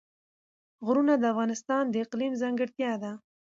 غرونه د افغانستان د اقلیم ځانګړتیا ده.